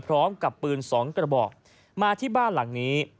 พร้อมกับปืน๒กระบอกมาที่บ้านหลังนี้